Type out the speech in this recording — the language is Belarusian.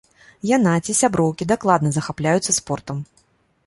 Яна ці сяброўкі дакладна захапляюцца спортам.